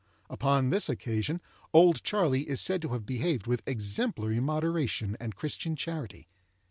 Upon this occasion "Old Charley" is said to have behaved with exemplary moderation and Christian charity.